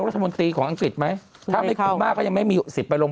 รัฐมนตรีของอังกฤษไหมถ้าไม่เข้ามาก็ยังไม่มีสิบไปโรง